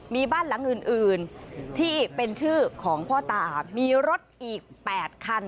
มีบ้านหลังอื่นที่เป็นชื่อของพ่อตามีรถอีก๘คัน